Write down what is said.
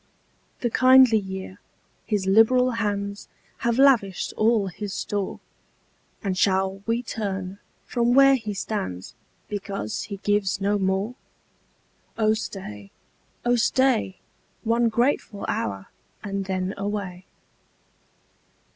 36 POEMS. The kindly year, his liberal hands Have lavished all his store. And shall we turn from where he stands, Because he gives no more? Oh stay, oh stay, One grateful hotir, and then away.